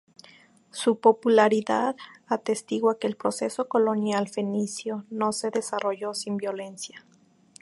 Su popularidad atestigua que el proceso colonial fenicio no se desarrolló sin violencia.